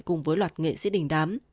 cùng với loạt nghệ sĩ đỉnh đám